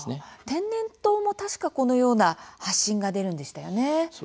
天然痘も、確かこのような発疹が出るんでしたよね。